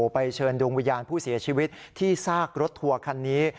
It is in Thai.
เชิญดวงวิญญาณผู้เสียชีวิตที่ซากรถทัวร์คันนี้